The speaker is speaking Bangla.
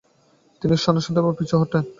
তিনি সন্ন্যাসধর্ম থেকে পিছু হটেন।